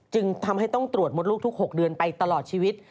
จึงทำให้ต้องตรวจมดลูกทุก๖เดือนไปตลอดชีวิต